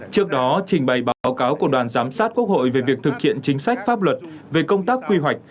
trước đó trình bày báo cáo của đoàn giám sát quốc hội về việc thực hiện chính sách pháp luật về công tác quy hoạch